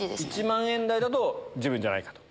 １万円台だと自分じゃないかと。